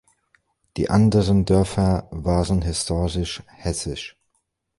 Die anderen Dörfer waren historisch hessisch.